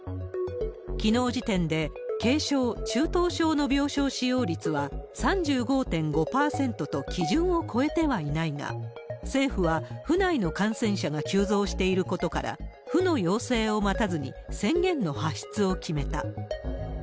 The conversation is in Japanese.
きのう時点で軽症、中等症の病床使用率は３５．５％と基準を超えてはいないが、政府は府内の感染者が急増していることから、府の要請を待たずに宣言の発出を決めた。